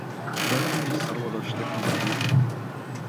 Maɣef ay iyi-tesseṛwad anect-a akk n lḥif?